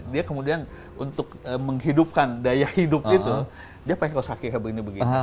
dia kemudian untuk menghidupkan daya hidup itu dia pakai kosakih kayak begini begini